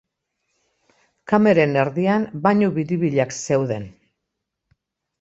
Kameren erdian bainu biribilak zeuden.